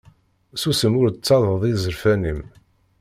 Susem ur d-ttader izerfan-im.